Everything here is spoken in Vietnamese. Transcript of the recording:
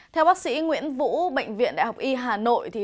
theo bác sĩ nguyễn vũ bệnh viện đại học y hà nội